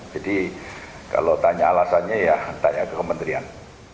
jadi kalau tanya alasannya ya tanya ke kementerian